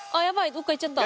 どっか行っちゃった。